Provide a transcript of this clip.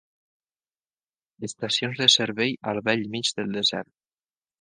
Estacions de servei al bell mig del desert.